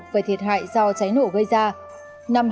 về thiệt hại do cháy nổ gây ra